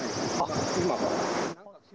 今から。